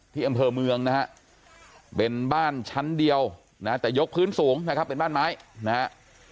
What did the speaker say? ที่อำเภอเมืองนะฮะเป็นบ้านชั้นเดียวนะแต่ยกพื้นสูงนะครับเป็นบ้านไม้นะฮะ